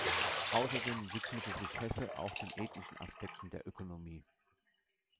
Außerdem widmete sich Hesse auch den ethischen Aspekten der Ökonomie.